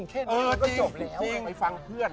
เออจริงใช่ค่ะเข้าจบแล้วนะไปฟังเพื่อน